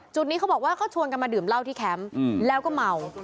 นี้เขาบอกว่าเขาชวนกันมาดื่มเหล้าที่แคมป์แล้วก็เมา